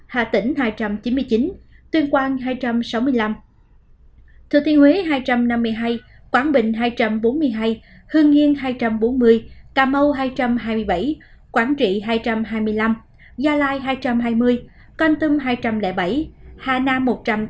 hà tĩnh hai trăm chín mươi chín tuyên quang hai trăm sáu mươi năm thừa thiên huế hai trăm năm mươi hai quảng bình hai trăm bốn mươi hai hương nghiên hai trăm bốn mươi cà mau hai trăm hai mươi bảy quảng trị hai trăm hai mươi năm gia lai hai trăm hai mươi con tâm hai trăm linh bảy hà nam một trăm tám mươi